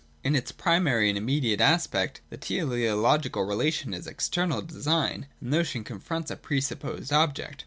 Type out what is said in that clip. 205.] In its primary and immediate aspect the Teleo logical relation is external design, and the notion con fronts a pre supposed object.